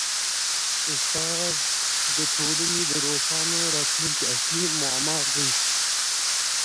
استاد د ټولني د روښانه راتلونکي اصلي معمار دی.